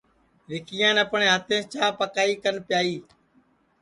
وکیان اپٹؔے ہاتیںٚس چاں پکائی کن پیائی